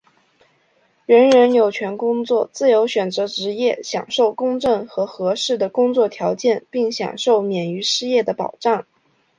人人有权工作、自由选择职业、享受公正和合适的工作条件并享受免于失业的保障。